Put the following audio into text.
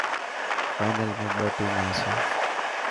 فانل ۾ ٻه ٽيما آسي.